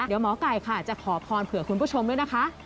เดี๋ยวหมอไก่ค่ะจะขอพรเผื่อคุณผู้ชมด้วยนะคะ